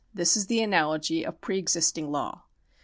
This is the analogy of pre existing law.